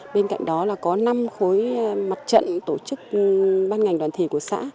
bên cạnh đó là có năm khối mặt trận tổ chức ban ngành đoàn thể của xã